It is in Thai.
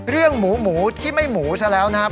เรื่องหมูที่ไม่หมูเสร็จแล้วนะครับ